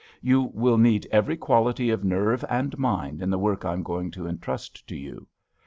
You will need every quality of nerve and mind in the work I am going to entrust to you.